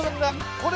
これ。